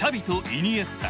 イニエスタ。